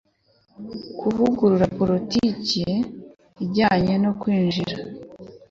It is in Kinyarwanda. kuvugurura politiki ijyanye no kwinjira